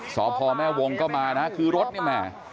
สพแม่วงก็มานะคือรถนี่แหม